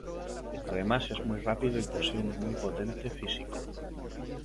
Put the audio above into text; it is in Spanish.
Además es muy rápido y posee un muy potente físico.